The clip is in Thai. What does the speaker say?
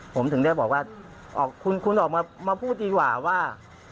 ผมถึงได้บอกว่าคุณออกมาพูดดีกว่าว่า